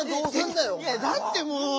だってもう。